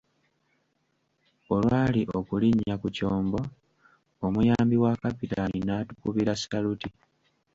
Olwali okulinnya ku kyombo, omuyambi wa Kapitaani n'atukubira saluti.